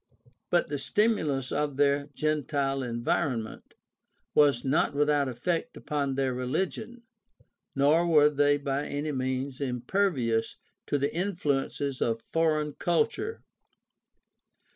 But the stimulus of their gentile environment was not without effect upon their religion, nor were they by any means impervious to the influences of foreign culture.